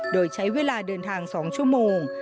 โดยใช้เวลาเดินทาง๒ชั่วโมง